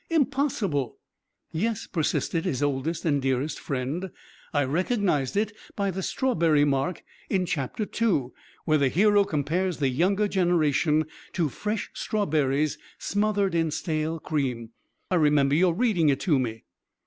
Impossible." "Yes," persisted his oldest and dearest friend. "I recognised it by the strawberry mark in Cap. II., where the hero compares the younger generation to fresh strawberries smothered in stale cream. I remember your reading it to me!"